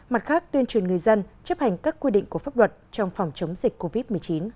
mặt khác tuyên truyền người dân chấp hành các quy định của pháp luật trong phòng chống dịch covid một mươi chín